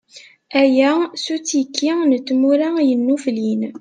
Aya, s uttiki n tmura yennuflin.